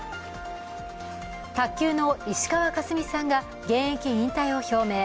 卓球の石川佳純さんが現役引退を表明。